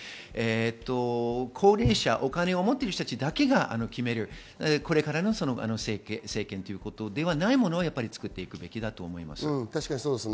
高齢者、お金を持っている人たちだけが決める政権ではないものを作っていくべきだと思います。